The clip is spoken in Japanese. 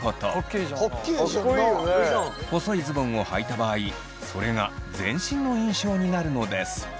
細いズボンをはいた場合それが全身の印象になるのです。